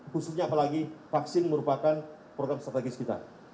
khususnya apalagi vaksin merupakan program strategis kita